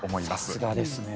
さすがですね。